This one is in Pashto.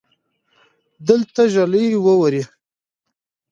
دلته ژلۍ ووري